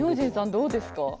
どうですか？